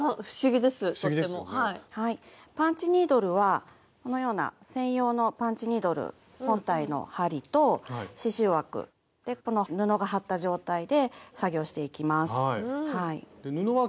パンチニードルはこのような専用のパンチニードル本体の針と刺しゅう枠この布が張った状態で作業していきます。